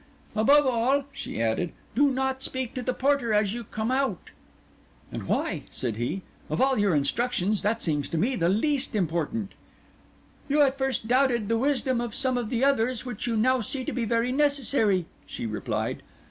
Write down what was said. "Above all," she added, "do not speak to the porter as you come out." "And why?" said he. "Of all your instructions, that seems to me the least important." "You at first doubted the wisdom of some of the others, which you now see to be very necessary," she replied.